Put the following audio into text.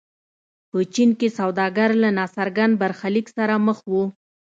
په چین کې سوداګر له ناڅرګند برخلیک سره مخ وو.